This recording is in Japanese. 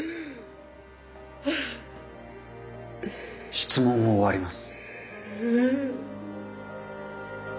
質問を終わります。